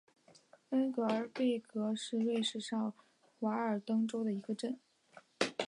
恩格尔贝格是瑞士上瓦尔登州的一个镇。